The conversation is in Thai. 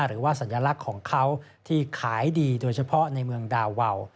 สัญลักษณ์ของเขาที่ขายดีโดยเฉพาะในเมืองดาวาว